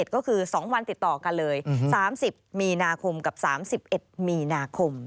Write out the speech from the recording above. ก็คือ๒วันติดต่อกันเลย๓๐มีนาคมกับ๓๑มีนาคม